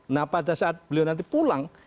nah pada saat beliau nanti pulang